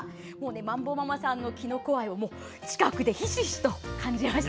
まんぼママさんのきのこ愛を近くでひしひしと感じました。